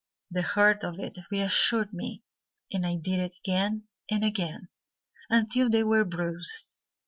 The hurt of it reassured me, And I did it again and again Until they were bruised.